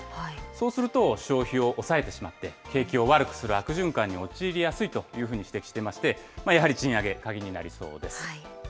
そうすると、消費を抑えてしまって、景気を悪くする悪循環に陥りやすいというふうに指摘していまして、やはり賃上げ、鍵になりそうです。